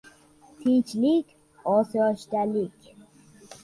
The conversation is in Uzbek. — Tinchlik, osoyishtalik.